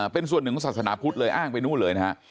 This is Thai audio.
เป็นส่วนหนึ่งของศาสนาพุทธเลยอ้างไปนู่นเลยนะฮะ